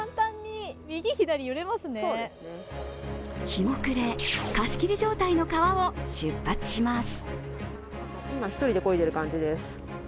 日も暮れ、貸し切り状態の川を出発します。